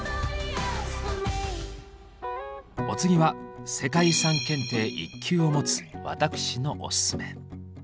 お次は世界遺産検定１級を持つ私のオススメ。